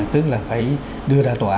tức là phải đưa ra tòa án